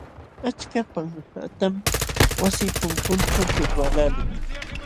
Achka panqatam wasi punkunćhu pilwaqlaalin.